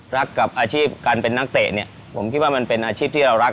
รักกับอาชีพการเป็นนักเตะเนี่ยผมคิดว่ามันเป็นอาชีพที่เรารัก